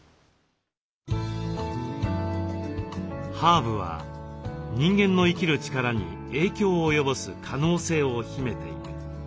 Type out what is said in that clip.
ハーブは人間の生きる力に影響を及ぼす可能性を秘めている。